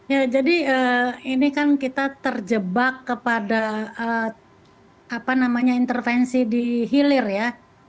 ya jadi ini kan kita terjebak kepada intervensi di hilir ya